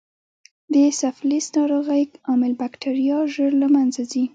د سفلیس ناروغۍ عامل بکټریا ژر له منځه ځي.